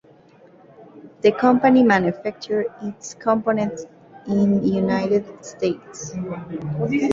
The company manufactures its components in the United States.